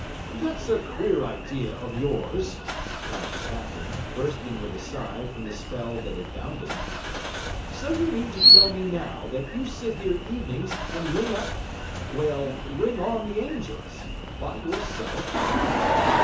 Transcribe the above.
'That's a queer idea of yours!' cried the captain, bursting with a sigh from the spell that had bound him. 'So you mean to tell me now, that you sit here evenings and ring up... well, ring on the angels... by yourself?'